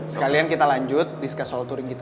sekalian kita lanjut discuss soal turing kita